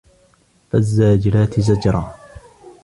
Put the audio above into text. فَالزَّاجِرَاتِ زَجْرًا